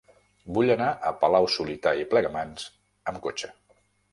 Vull anar a Palau-solità i Plegamans amb cotxe.